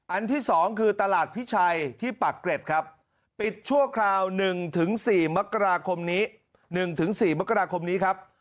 ที่๒คือตลาดพิชัยที่ปากเกร็ดครับปิดชั่วคราว๑๔มกราคมนี้๑๔มกราคมนี้ครับ